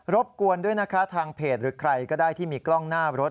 บกวนด้วยนะคะทางเพจหรือใครก็ได้ที่มีกล้องหน้ารถ